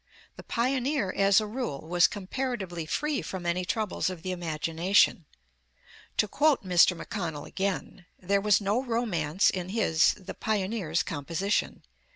The pioneer, as a rule, was comparatively free from any troubles of the imagination. To quote Mr. McConnell again: "There was no romance in his [the pioneer's] composition.